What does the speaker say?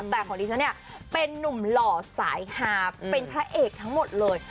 แต่ของดิฉันเนี่ยเป็นนุ่มหล่อสายฮาเป็นพระเอกทั้งหมดเลย